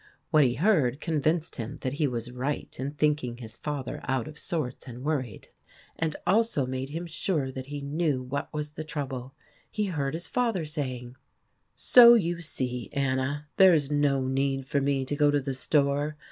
What he heard convinced him that he was right in thinking his father out of sorts and worried, and also made him sure that he knew what was the trouble. He heard his father saying :" So you see, Anna, there 's no need for me to go to the store.